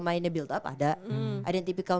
mainnya build up ada ada yang tipikal